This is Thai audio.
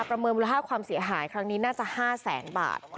ประเมินมูลค่าความเสียหายครั้งนี้น่าจะ๕แสนบาท